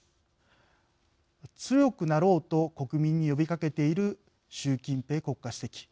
強くなろうと国民に呼びかけている習近平国家主席。